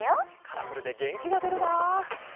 カラフルでげんきがでるな！